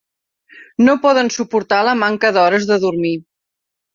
No poden suportar la manca d'hores de dormir